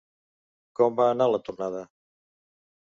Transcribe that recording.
Com va anar la tornada?